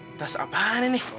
weh tas apanya nih